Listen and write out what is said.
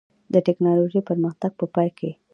د ټکنالوجۍ پرمختګ بېپای دی.